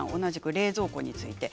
冷蔵庫についてです。